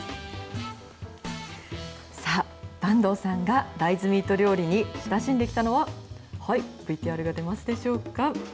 さあ、坂東さんが大豆ミート料理に親しんできたのは、ＶＴＲが出ますでしょうか。